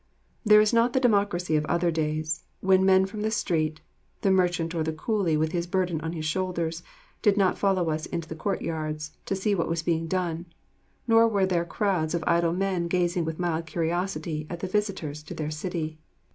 There is not the democracy of other days; the man from the street, the merchant or the coolie with his burden on his shoulders, did not follow us into the courtyards to see what was being done, nor were there crowds of idle men gazing with mild curiosity at the visitors to their city.